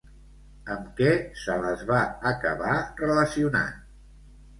Amb què se les va acabar relacionant?